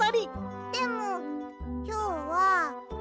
でもきょうは。